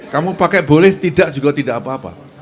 kamu pakai boleh tidak juga tidak apa apa